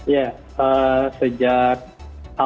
ya sejak awal